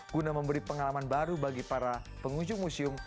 guna memberi pengalaman baru bagi para pengunjung museum